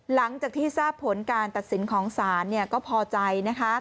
หลังจากที่ทราบผลการตัดสินของศาลก็พอใจนะคะ